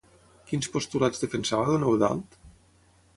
Quins postulats defensava don Eudald?